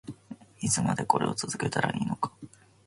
いつまでこれを続けたらいいのか